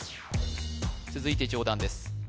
続いて上段です